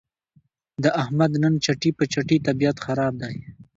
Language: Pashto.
د احمد نن چټي په چټي طبیعت خراب دی.